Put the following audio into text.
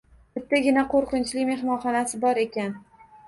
Bittagina qo‘rqinchli mehmonxonasi bor ekan.